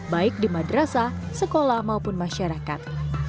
baik di madrasah sekolah maupun masyarakat